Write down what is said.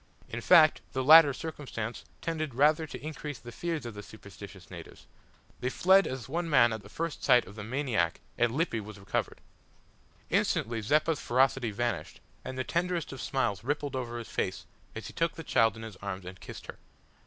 In fact the latter circumstance tended rather to increase the fears of the superstitious natives. They fled as one man at the first sight of the maniac and Lippy was recovered! Instantly Zeppa's ferocity vanished, and the tenderest of smiles rippled over his face as he took the child in his arms and kissed her.